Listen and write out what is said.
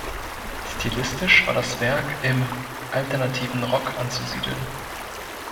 Stilistisch war das Werk im Alternativen Rock anzusiedeln.